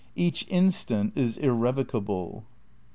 Each instant is irrevocable."